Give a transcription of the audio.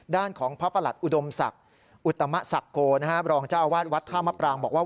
ด้านของพระประหลัดอุดมศักดิ์อุตมะศักโกนะครับรองเจ้าอาวาสวัดท่ามะปรางบอกว่า